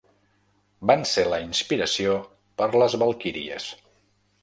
Van ser la inspiració per les valquíries.